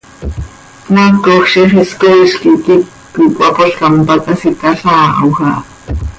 Cmaacoj ziix is cooil quih quiic quih cöhapoozcam, pac hasitalhaajö aha.